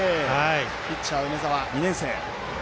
ピッチャー、梅澤、２年生。